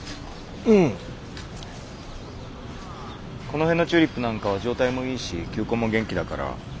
この辺のチューリップなんかは状態もいいし球根も元気だから。